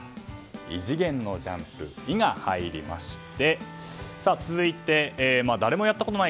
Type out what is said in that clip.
異次元のジャンプ「イ」が入りまして続いて、誰もやったことがない